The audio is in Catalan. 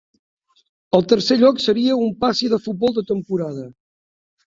El tercer lloc seria un passi de futbol de temporada.